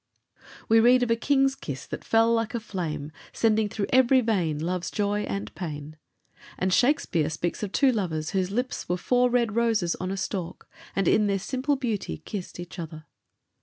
We read of a king's kiss that "fell like a flame," sending through every vein love's joy and pain. And Shakespeare speaks of two lovers whose lips were "four red roses on a stalk, and in their simple beauty kissed each other."